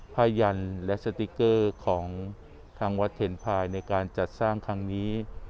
ยันและสติ๊กเกอร์ของทางวัดเห็นภายในการจัดสร้างครั้งนี้